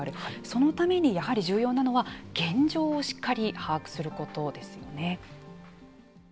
そのためにやはり重要なのは現状をしっかり把握することですよね。